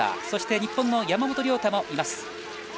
そして日本の山本涼太もいます。